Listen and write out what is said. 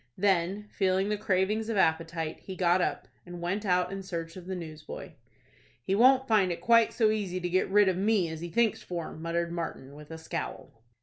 Then, feeling the cravings of appetite, he got up, and went out in search of the newsboy. "He won't find it quite so easy to get rid of me as he thinks for," muttered Martin, with a scowl.